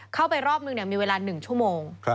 เข้าไปรอบนึงมีเวลา๑ชั่วโมง